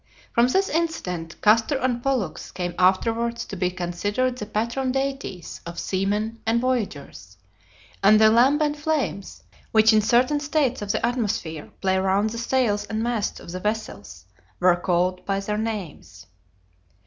From this incident, Castor and Pollux came afterwards to be considered the patron deities of seamen and voyagers, and the lambent flames, which in certain states of the atmosphere play round the sails and masts of vessels, were called by their names.